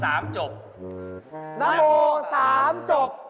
นักโม๓จบนักโม๓จบ